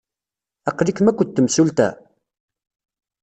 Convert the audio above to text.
Aql-ikem akked temsulta?